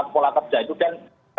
dan pola kerja itu